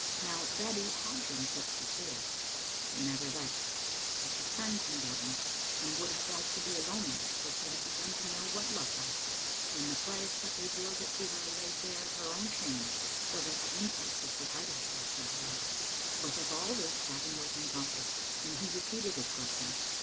Now Babbie had been kissed before, but never thus, and she turned from Gavin, and would have liked to be alone, for she had begun to know what love was, and the flash that revealed it to her laid bare her own shame, so that her impulse was to hide herself from her lover. But of all this Gavin was unconscious, and he repeated his question.